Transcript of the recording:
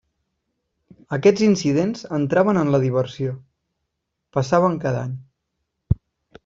Aquests incidents entraven en la diversió: passaven cada any.